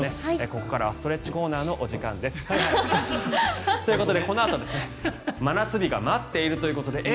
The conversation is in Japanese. ここからはストレッチコーナーのお時間です。ということでこのあと真夏日が待っているということでえ！